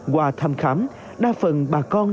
qua thăm khám đa phần bà con